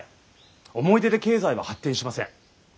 思い出で経済は発展しません。